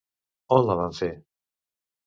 On la van fer?